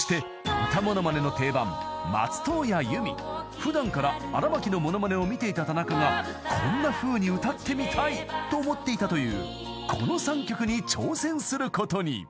［普段から荒牧のモノマネを見ていた田中がこんなふうに歌ってみたいと思っていたというこの３曲に挑戦することに］